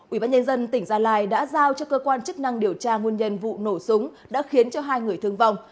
ubnd tỉnh gia lai đã giao cho cơ quan chức năng điều tra nguồn nhân vụ nổ súng đã khiến cho hai người thương vong